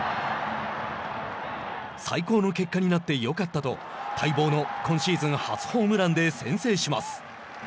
最高の結果になってよかったと待望の今シーズン初ホームランで先制します。